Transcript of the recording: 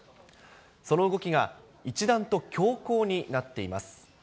その動きが一段と強硬になっています。